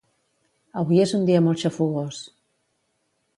Avui és un dia molt xafogós